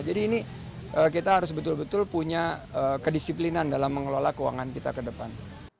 jadi ini kita harus betul betul punya kedisiplinan dalam mengelola keuangan kita ke depan